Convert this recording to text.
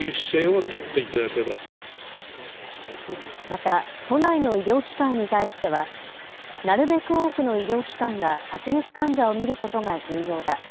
また都内の医療機関に対してはなるべく多くの医療機関が発熱患者を診ることが重要だ。